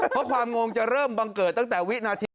เพราะความงงจะเริ่มบังเกิดตั้งแต่วินาที